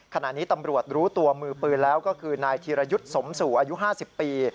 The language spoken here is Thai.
ขณะนี้ตำรวจรู้ตัวมือปืนแล้วก็คือนายธีรยุทธ์สมสู่อายุ๕๐ปี